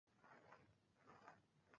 তোমরা ফটোগ্রাফাররা পার্কে ছবি তুলছ